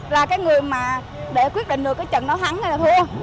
là cái người mà để quyết định được cái trận đấu thắng hay là thua